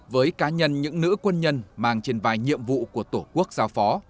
với cá nhân những nữ quân nhân mang trên vai nhiệm vụ của tổ quốc giao phó